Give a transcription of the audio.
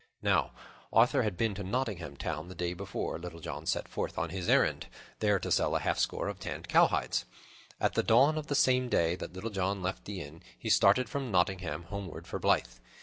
Now Arthur had been to Nottingham Town the day before Little John set forth on his errand, there to sell a halfscore of tanned cowhides. At the dawn of the same day that Little John left the inn, he started from Nottingham, homeward for Blyth.